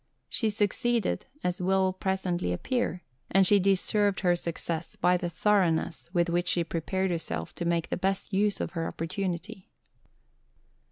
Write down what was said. She succeeded, as will presently appear; and she deserved her success by the thoroughness with which she prepared herself to make the best use of her opportunity.